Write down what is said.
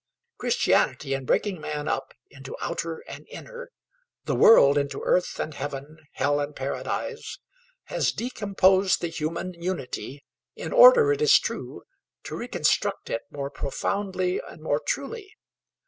Christianity, in breaking man up into outer and inner, the world into earth and heaven, hell and paradise, has decomposed the human unity, in order, it is true, to reconstruct it more profoundly and more truly.